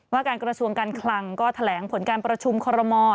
ว่าการกระทรวงการคลังก็แถลงผลการประชุมคอรมอล